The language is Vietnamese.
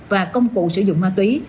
và công cụ sử dụng ma túy